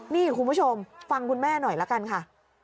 นี่คุณผู้ชมฟังคุณแม่หน่อยละกันค่ะ